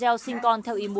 em sẽ kết hợp với em